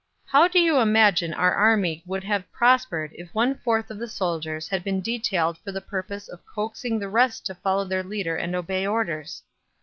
How do you imagine our army would have prospered if one fourth of the soldiers had been detailed for the purpose of coaxing the rest to follow their leader and obey orders?